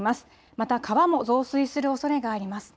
また川も増水するおそれがあります。